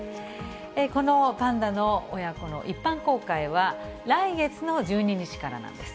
このパンダの親子の一般公開は、来月の１２日からなんです。